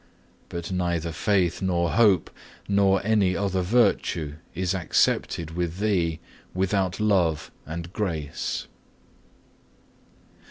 But neither faith, nor hope, nor any other virtue is accepted with Thee without love and grace.